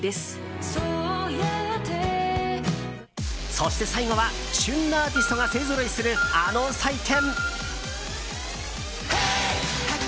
そして、最後は旬なアーティストが勢ぞろいするあの祭典。